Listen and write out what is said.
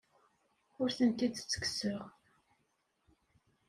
Ur tent-id-ttekkseɣ.